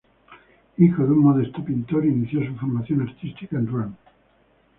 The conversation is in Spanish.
Hijo de un modesto pintor, inició su formación artística en Ruán.